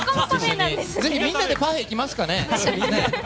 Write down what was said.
みんなでパフェに行きますか。